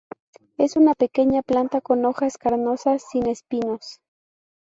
Es una pequeña planta con hojas carnosas sin espinos.